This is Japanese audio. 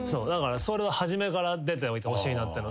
それは初めから出ておいてほしいなって。